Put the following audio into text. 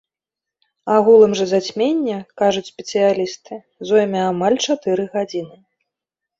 Агулам жа зацьменне, кажуць спецыялісты, зойме амаль чатыры гадзіны.